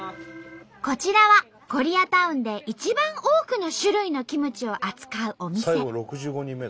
こちらはコリアタウンで一番多くの種類のキムチを扱うお店。